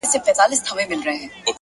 نظم د اوږدو موخو ساتونکی دی!